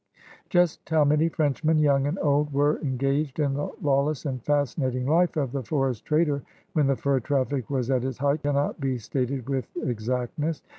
Just how many Frenchmen, young and old, were engaged in the lawless and fascinating life of the forest trader when the fur traffic was at its height cannot be stated with exactness.